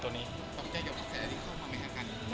เพราะว่าต้องจะยอมเอาตัวแบบนี้เข้ามาเมื่อกัน